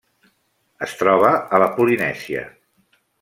Es troba a la Polinèsia: